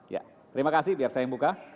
ya terima kasih biar saya yang buka